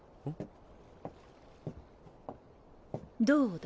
どうだ。